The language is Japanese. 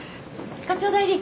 課長代理。